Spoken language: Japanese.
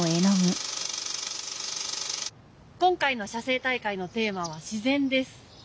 今回の写生大会のテーマは「自然」です。